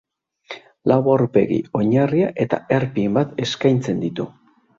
Lau aurpegi, oinarria eta erpin bat eskaintzen ditu.